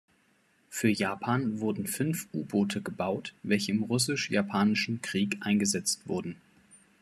Für Japan wurden fünf U-Boote gebaut, welche im Russisch-Japanischen Krieg eingesetzt wurden.